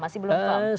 masih belum tahu